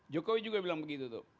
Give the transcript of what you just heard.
jokowi juga bilang begitu tuh